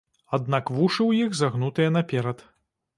Аднак вушы ў іх загнутыя наперад.